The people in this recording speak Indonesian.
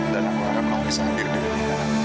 dan aku harap kamu bisa hadir dengan aku